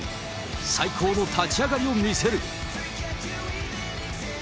最高の立ち上がりを見せる。